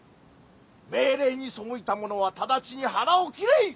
命令に背いた者は直ちに腹を斬れい！